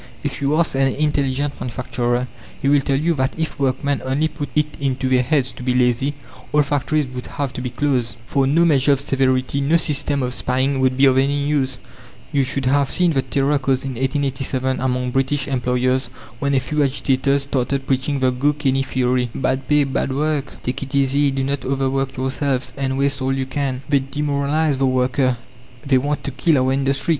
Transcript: If you ask an intelligent manufacturer, he will tell you that if workmen only put it into their heads to be lazy, all factories would have to be closed, for no measure of severity, no system of spying would be of any use. You should have seen the terror caused in 1887 among British employers when a few agitators started preaching the "go canny" theory "Bad pay, bad work"; "Take it easy, do not overwork yourselves, and waste all you can." "They demoralize the worker, they want to kill our industry!"